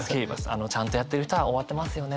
あのちゃんとやってる人は終わってますよね。